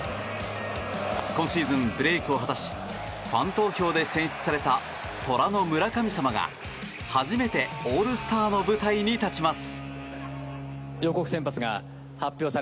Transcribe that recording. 今シーズン、ブレークを果たしファン投票で選出された虎の村神様が初めてオールスターの舞台に立ちます。